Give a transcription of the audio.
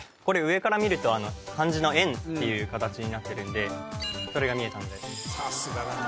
これ上から見ると漢字の「円」っていう形になってるんでそれが見えたのでさすがだね